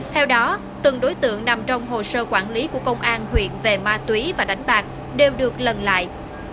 theo đó từng đối tượng nằm trong hồ sơ quản lý của công an huyện về ma túy và đánh bạc đều được lần lại